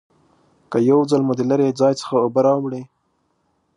که یو ځل مو د لرې ځای څخه اوبه راوړي